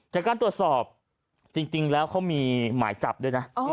จากการตรวจสอบจริงแล้วเขามีหมายจับด้วยนะ